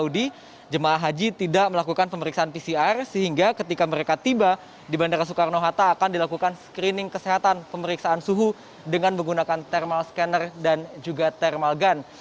dengan menggunakan thermal scanner dan juga thermal gun